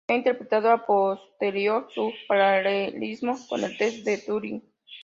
Se ha interpretado "a posteriori" su paralelismo con el test de Turing.